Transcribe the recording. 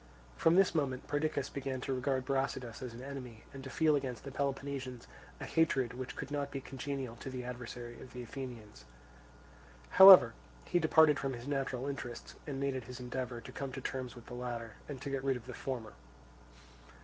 From this moment Perdiccas began to regard Brasidas as an enemy and to feel against the Peloponnesians a hatred which could not be congenial to the adversary of the Athenians. However, he departed from his natural interests and made it his endeavour to come to terms with the latter and to get rid of the former.